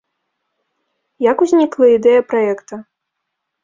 Як узнікла ідэя праекта?